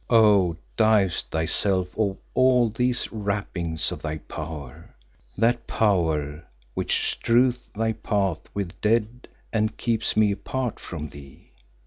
Oh! divest thyself of all these wrappings of thy power that power which strews thy path with dead and keeps me apart from thee.